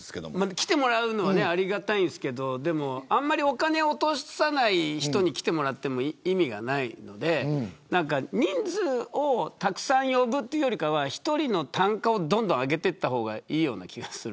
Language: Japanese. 来てもらうのはありがたいですけどあんまりお金を落とさない人に来てもらっても意味がないので人数をたくさん呼ぶというより一人の単価をどんどん上げた方がいいような気がする。